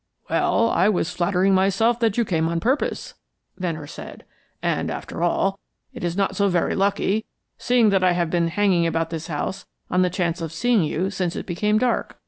"Well, I was flattering myself that you came on purpose," Venner said. "And, after all, it is not so very lucky, seeing that I have been hanging about this house on the chance of seeing you since it became dark.